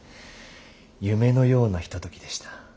夢のようなひとときでした。